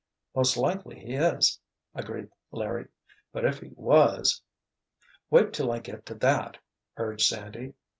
"Most likely he is," agreed Larry. "But if he was——" "Wait till I get to that," urged Sandy.